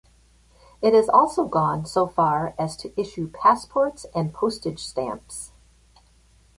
It has also gone so far as to issue passports and postage stamps.